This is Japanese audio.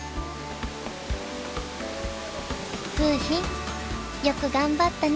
楓浜よく頑張ったね！